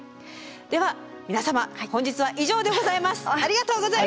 では皆様本日は以上でございます。